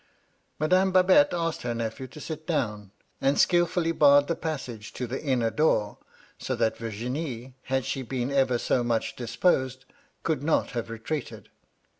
Madame Babette asked her nephew to sit down, and skilfully barred the passage to the inner door, so that Virginie, had she been ever so much dis posed, could not have retreated.